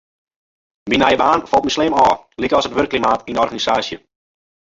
Myn nije baan falt my slim ôf, lykas it wurkklimaat yn de organisaasje.